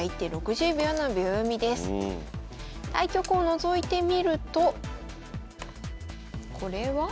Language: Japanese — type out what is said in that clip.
対局をのぞいてみるとこれは。